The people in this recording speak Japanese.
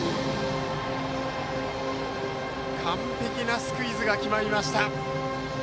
完璧なスクイズが決まりました。